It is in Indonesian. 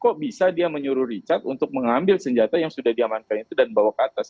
kok bisa dia menyuruh richard untuk mengambil senjata yang sudah diamankan itu dan bawa ke atas